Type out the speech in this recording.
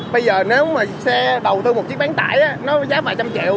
bây giờ nếu mà xe đầu tư một chiếc bán tải nó giá vài trăm triệu